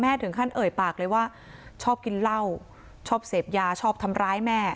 ถึงขั้นเอ่ยปากเลยว่าชอบกินเหล้าชอบเสพยาชอบทำร้ายแม่